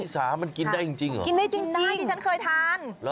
สามันกินได้จริงเหรอกินได้จริงดิฉันเคยทาน